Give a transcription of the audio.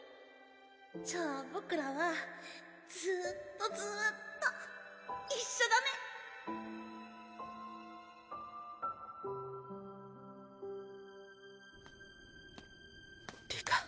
じゃあ僕らはずっとずっと一緒だね里香。